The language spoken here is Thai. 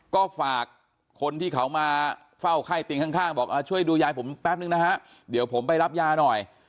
ก็ฝากคนที่เขามาเฝ้าไข้เตียงข้างบอกช่วยดูยายผมแป๊บนึงนะฮะเดี๋ยวผมไปรับยาหน่อย